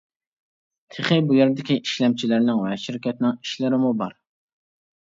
تېخى بۇ يەردىكى ئىشلەمچىلەرنىڭ ۋە شىركەتنىڭ ئىشلىرىمۇ بار.